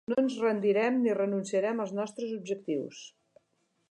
No ens rendirem ni renunciarem als nostres objectius.